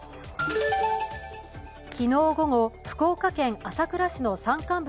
昨日午後、福岡県朝倉市の山間部